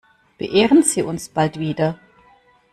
Beehren Sie uns bald wieder!